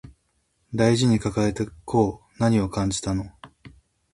大事に抱えてこう何を感じたの